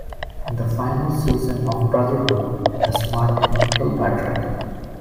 In the final season of "Brotherhood" as Martin Kilpatrick.